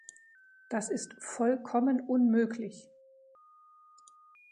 Das ist vollkommen unmöglich!